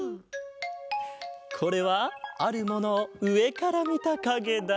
これはあるものをうえからみたかげだ。